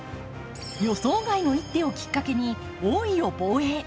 予想外の一手をきっかけに王位を防衛。